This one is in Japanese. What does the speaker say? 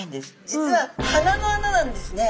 実は鼻の穴なんですね。